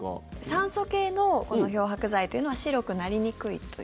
酸素系の漂白剤というのは白くなりにくいという。